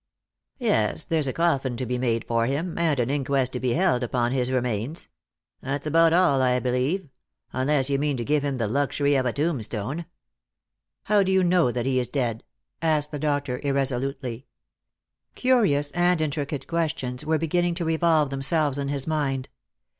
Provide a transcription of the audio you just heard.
Yes, there's a coffin to be made for him, and an inquest to be held upon his remains. That's about all, I believe ; unless you mean to give him the luxury of a tombstone." "How do you know that he is dead? " asked the doctor irre 'Lost for Love. 161 ■olutely. Curious and intricate questions were beginning to revolve themselves in his mind.